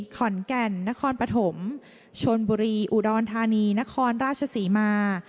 ขอนแก่นนครปฐมชนบุรีอุดรธานีนครราชศรีมา